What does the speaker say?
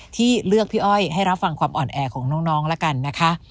ที่เลือกพี่อ้อยให้รับฟังความอ่อนแอของน้องละกันนะคะ